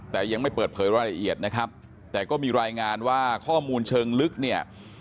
แต่ยังไม่เปิดเผยรายละเอียดนะครับแต่ก็มีรายงานว่าข้อมูลเชิงลึกเนี่ย